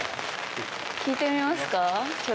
聞いてみますか？